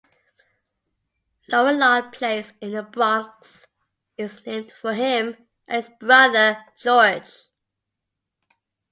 Lorillard Place in The Bronx is named for him and his brother George.